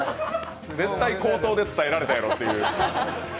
絶対口頭で伝えられたやろっていう。